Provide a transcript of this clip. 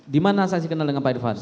dimana saksi kenal dengan pak irfan